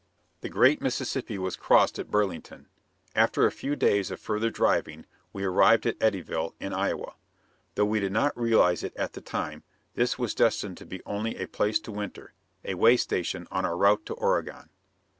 The great Mississippi was crossed at Burlington. After a few days of further driving, we arrived at Eddyville, in Iowa. Though we did not realize it at the time, this was destined to be only a place to winter, a way station on our route to Oregon.